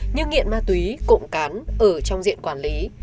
như nghiện ma túy cộng cán ở trong diện quản lý